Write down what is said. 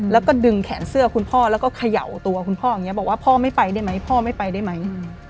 แล้วก็ดึงแขนเสื้อคุณพ่อแล้วก็เขย่าตัวคุณพ่ออย่างนี้บอกว่าพ่อไม่ไปได้ไหมพ่อไม่ไปได้ไหม